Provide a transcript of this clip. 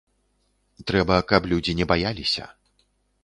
Трэба, каб людзі не баяліся.